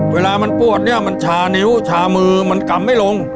เวลามันปวดเนี่ยมันชานิ้วชามือมันกำไม่ลง